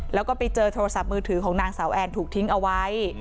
แล้วก็ไปเจอโทรศัพท์มือถือของนางสาวแอนถูกทิ้งเอาไว้